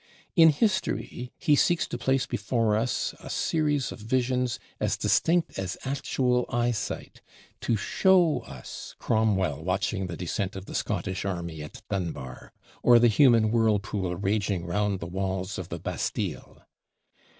In history he seeks to place before us a series of visions as distinct as actual eyesight: to show us Cromwell watching the descent of the Scottish army at Dunbar, or the human whirlpool raging round the walls of the Bastille.